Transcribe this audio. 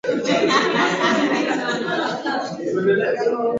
Mchezo wa mpira wa ulaya una vuma sana kupita africa yetu